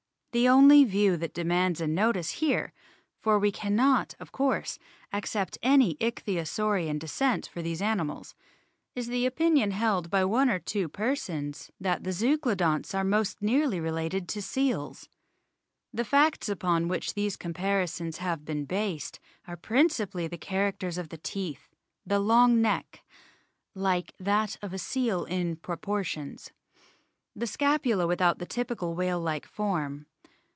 The only view that demands a notice here (for we cannot, of course, accept any Ichthyo saurian descent for these animals) is the opinion held by one or two persons that the Zeuglodonts are most nearly related to seals. The facts upon which these comparisons have been based are principally the characters of the teeth, the long neck "like that of a seal in proportions" the scapula without the typical whale like form.